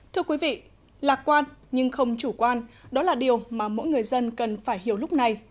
thưa quý vị lạc quan nhưng không chủ quan đó là điều mà mỗi người dân cần phải hiểu lúc này